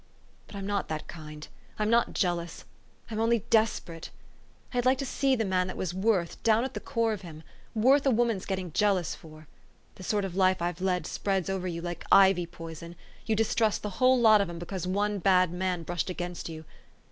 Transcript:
But I'm not that kind. I'm not jealous : I'm only desperate. I'd like to see the man that was worth, down at the core of him worth a woman's getting jealous for. The sort of life I've led spreads over you like ivy poison: you distrust the whole lot of 'em be cause one bad man brushed against you.